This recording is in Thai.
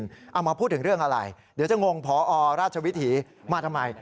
เอามาพูดถึงเรื่องอะไรเดี๋ยวจะงงพอราชวิถีมาทำไม